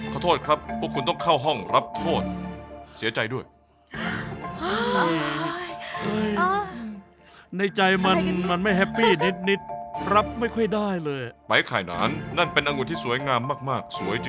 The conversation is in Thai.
ไปขาดหนานนั้นเป็นองุดที่สวยมาก